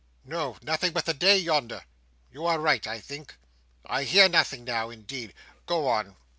"No, nothing but the day yonder." "You are right, I think. I hear nothing now, indeed. Go on!"